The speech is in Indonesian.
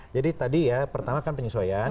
jadi tadi ya pertama kan penyesuaian